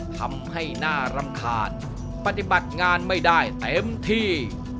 ทำให้น่ารำคาญปฏิบัติงานไม่ได้เต็มที่